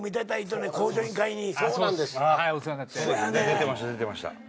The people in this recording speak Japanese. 出てました出てました。